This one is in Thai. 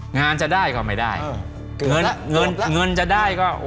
งานจะได้ก็ไม่ได้เงินเงินจะได้ก็